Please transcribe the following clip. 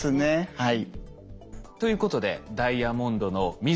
はい。